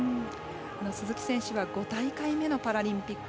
鈴木選手は５大会目のパラリンピック。